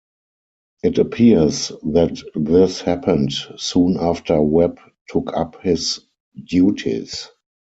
It appears that this happened soon after Webb took up his duties.